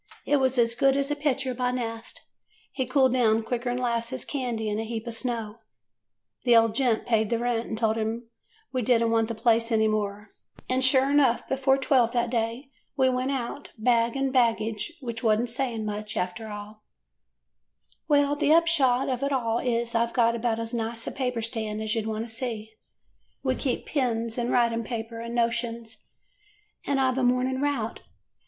It was as good as a picture by Nast. He cooled down quicker 'n 'lasses candy in a heap of snow. The old gent paid the rent, and told him we did n't want the place any more; and, sure enough, [ 72 ]"' The old gent paid the rent '" HOW BEN FOUND SANTA CLAUS before twelve that day we went out, bag and baggage, which was n't saying much, after all. "Well, the upshot of it all is I 've got about as nice a paper stand as you 'd want to see. We keep pens, and writing paper, and notions, and I 've a morning route.